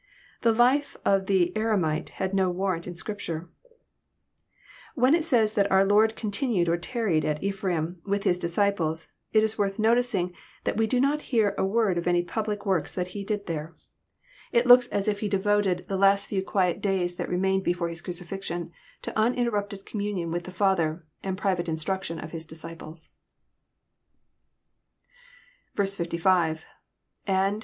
The life of the Eremite has no warrant in Scripture. When it says that our Lord continued or tarried at Ephraim with His disciples," it is worth noticing that we do not hear a word of any public works that he did there. It looks as if Ha 804 EXPOSITORY THOUGHTS. devoted the last few qnlet days that remained before His crnc!< flxioD, to UD interrupted communion with the father, and pri vate instruction of His disciples. 55. — lAnd